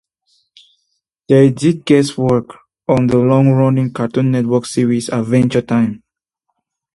They did guest work on the long running Cartoon Network series "Adventure Time".